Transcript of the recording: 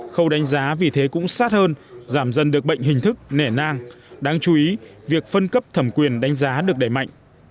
khâu đánh giá vì thế cũng sát hơn giảm dần được bệnh hình thức nể nang đáng chú ý việc phân cấp thẩm quyền đánh giá được đẩy mạnh